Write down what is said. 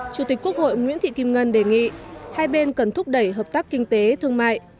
chủ tịch quốc hội nguyễn thị kim ngân đề nghị hai bên cần thúc đẩy hợp tác kinh tế thương mại